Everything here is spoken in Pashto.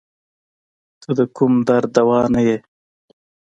ته د کوم درد دوا نه یی